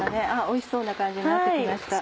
おいしそうな感じになって来ました。